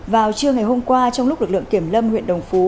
vào trưa ngày hôm qua trong lúc lực lượng kiểm lâm huyện đồng phú